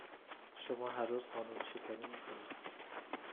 شما هر روز قانونشکنی میکنید